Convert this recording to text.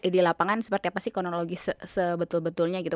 di lapangan seperti apa sih kronologi sebetul betulnya gitu